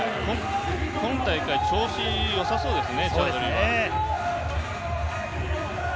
今大会、調子がよさそうですね。